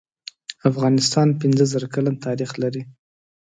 افغانستان پنځه زره کلن تاریخ لری